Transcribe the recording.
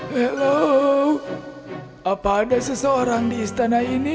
halo apa ada seseorang di istana ini